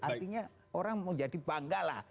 artinya orang mau jadi bangga lah